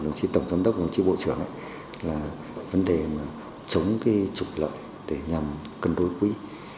đồng chí tổng giám đốc và đồng chí bộ trưởng là vấn đề chống trục lợi để nhằm cân đối quỹ